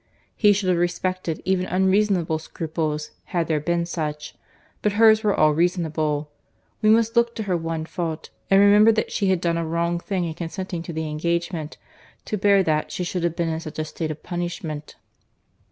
He should have respected even unreasonable scruples, had there been such; but hers were all reasonable. We must look to her one fault, and remember that she had done a wrong thing in consenting to the engagement, to bear that she should have been in such a state of punishment."